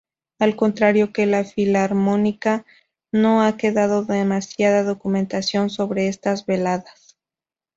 Al contrario que la Filarmónica, no ha quedado demasiada documentación sobre estas veladas.